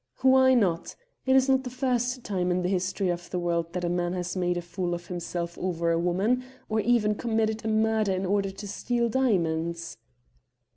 "Why not? It is not the first time in the history of the world that a man has made a fool of himself over a woman, or even committed a murder in order to steal diamonds."